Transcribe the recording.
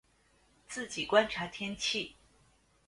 自己观察天气